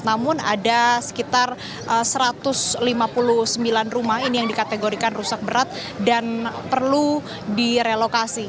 namun ada sekitar satu ratus lima puluh sembilan rumah ini yang dikategorikan rusak berat dan perlu direlokasi